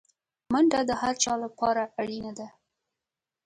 منډه د هر چا لپاره اړینه ده